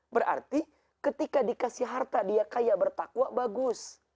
berarti ketika dikasih harta dia kaya bertakwa bagus